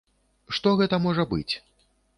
Што гэта можа быць?